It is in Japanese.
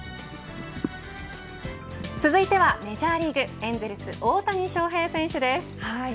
続いてはメジャーリーグエンゼルス、大谷翔平選手です。